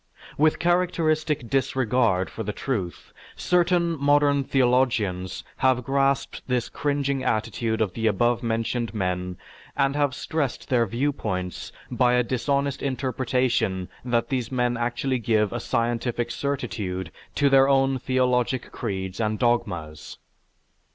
With characteristic disregard for the truth certain modern theologians have grasped this cringing attitude of the above mentioned men and have stressed their viewpoints by a dishonest interpretation that these men actually give a scientific certitude to their own theologic creeds and dogmas.